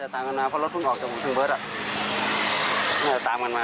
เดี่ยวตามคนมาเพราะรถออกถึงบึช